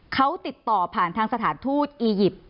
เขาติดต่อผ่านทางสถานทูตอียิปต์